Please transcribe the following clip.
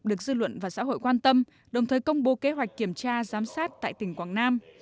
được dư luận và xã hội quan tâm đồng thời công bố kế hoạch kiểm tra giám sát tại tỉnh quảng nam